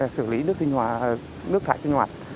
xử lý nước thải sinh hoạt